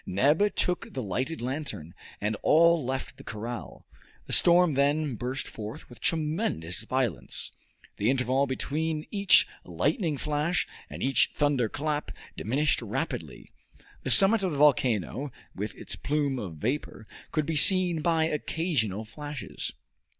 Neb took the lighted lantern, and all left the corral. The storm then burst forth with tremendous violence. The interval between each lightning flash and each thunder clap diminished rapidly. The summit of the volcano, with its plume of vapor, could be seen by occasional flashes.